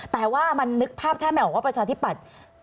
แต่ว่ามันนึกภาพแทบไม่ออกว่าประชาธิปัตย์